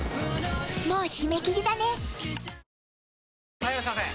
・はいいらっしゃいませ！